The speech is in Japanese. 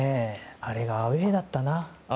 あれがアウェーだったな。